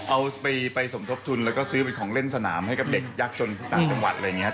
เอาไปสมทบทุนแล้วก็ซื้อเป็นของเล่นสนามให้กับเด็กยักษ์จนต่างจังหวัด